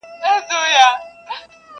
یوه ورځ به زه هم تنګ یمه له پلاره،